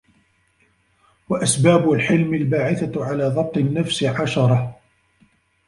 وَأَسْبَابُ الْحِلْمِ الْبَاعِثَةُ عَلَى ضَبْطِ النَّفْسِ عَشَرَةٌ